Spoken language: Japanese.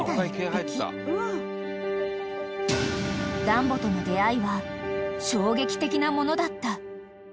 ［ダンボとの出合いは衝撃的なものだった］